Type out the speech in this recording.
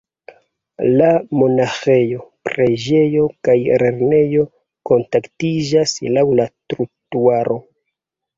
La monaĥejo, preĝejo kaj lernejo kontaktiĝas laŭ la trotuaro.